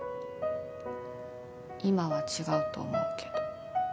今は違うと思うけど。